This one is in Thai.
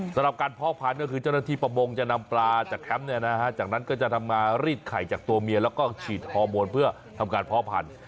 สำหรับการเพาะพันธุ์ก็คือเจ้าหน้าที่ประมงจะนำปลาจากแคมป์จากนั้นก็จะทำมารีดไข่จากตัวเมียแล้วก็ฉีดฮอร์โมนเพื่อทำการเพาะพันธุ